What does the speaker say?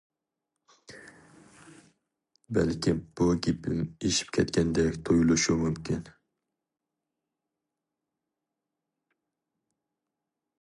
بەلكىم بۇ گېپىم ئېشىپ كەتكەندەك تۇيۇلۇشى مۇمكىن.